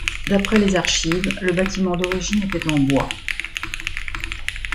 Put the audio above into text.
D'après les archives, le bâtiment d'origine était en bois.